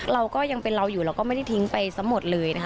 เราก็ยังเป็นเราอยู่เราก็ไม่ได้ทิ้งไปซะหมดเลยนะคะ